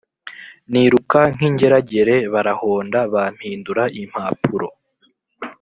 Niruka nk’ingeragere Barahonda Bampindura impapuro